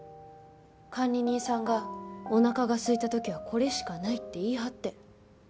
管理人さんがおなかがすいた時はこれしかないって言い張って。